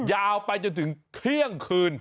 ยาวไปจนถึงเที่ยงคืน